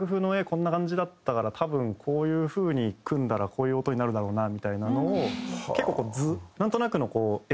こんな感じだったから多分こういう風に組んだらこういう音になるだろうなみたいなのを結構図なんとなくのこう。